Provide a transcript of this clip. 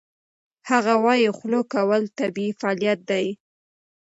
هغه وايي خوله کول طبیعي فعالیت دی.